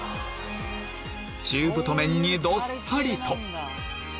中太麺にどっさりと！